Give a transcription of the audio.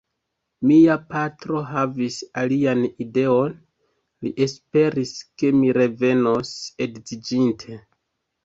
Mia patro havis alian ideon: li esperis, ke mi revenos edziĝinte.